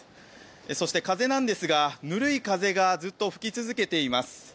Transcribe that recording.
そして、風なんですがぬるい風がずっと吹き続けています。